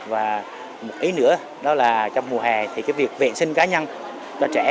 và một ý nữa đó là trong mùa hè thì cái việc vệ sinh cá nhân cho trẻ